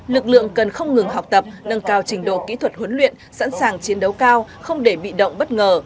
lực lượng cần không ngừng học tập nâng cao trình độ kỹ thuật huấn luyện sẵn sàng chiến đấu cao không để bị động bất ngờ